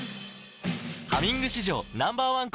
「ハミング」史上Ｎｏ．１抗菌